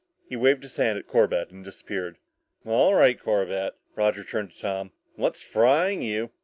He waved his hand at Corbett and disappeared. "All right, Corbett," Roger turned to Tom. "What's frying you?"